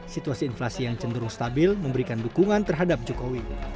situasi inflasi yang cenderung stabil memberikan dukungan terhadap jokowi